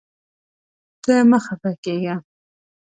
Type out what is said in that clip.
ته مه خفه کېږه.